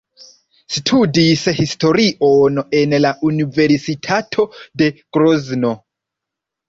Studis historion en la Universitato de Grozno.